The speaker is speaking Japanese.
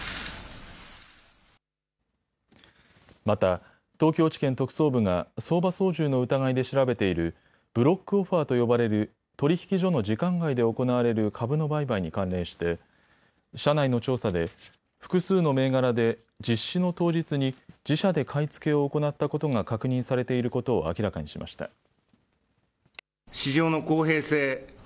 また東京地検特捜部が相場操縦の疑いで調べているブロックオファーと呼ばれる取引所の時間外で行われる株の売買に関連して社内の調査で複数の銘柄で実施の当日に自社で買い付けを行ったことが確認されていることを明らかにしました。